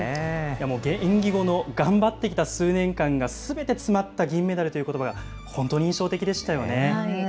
もう、演技後の頑張ってきた数年間が、すべて詰まった銀メダルということばが、本当に印象的でしたよね。